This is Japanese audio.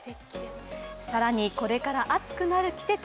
更にこれから暑くなる季節。